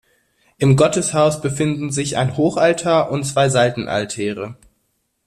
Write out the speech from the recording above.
Im Gotteshaus befinden sich ein Hochaltar und zwei Seitenaltäre.